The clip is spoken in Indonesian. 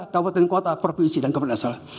kabupaten kota provinsi dan kabupaten asal